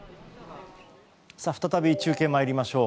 再び中継、参りましょう。